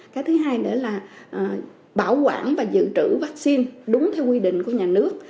cái thứ hai nữa là bảo quản và dự trữ vaccine đúng theo quy định của nhà nước